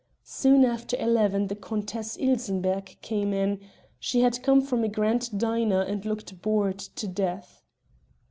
Soon after eleven the Countess Ilsenbergh came in; she had come from a grand dinner and looked bored to death.